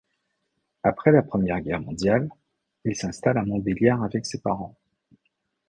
Après la Première Guerre mondiale, il s'installe à Montbéliard avec ses parents.